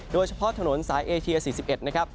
โดยเฉพาะถนนสายเอเชีย๔๑นะครับ